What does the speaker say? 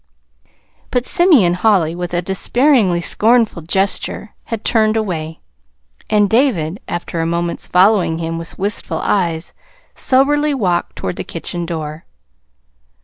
But Simeon Holly, with a despairingly scornful gesture, had turned away; and David, after a moment's following him with wistful eyes, soberly walked toward the kitchen door.